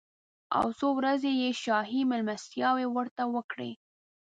او څو ورځې یې شاهي مېلمستیاوې ورته وکړې.